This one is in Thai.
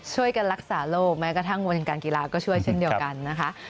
ช่วยกันรักษาโลกแม้กระทั่งวงการกีฬาก็ช่วยเช่นเดียวกันนะคะ